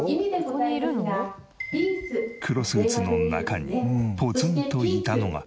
黒スーツの中にポツンといたのが。